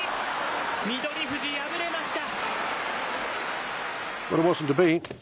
翠富士、敗れました。